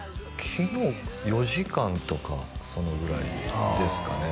昨日４時間とかそのぐらいですかね